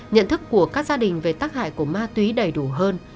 nhận thức của các gia đình về tác hại của ma tùy ý đầy đủ hơn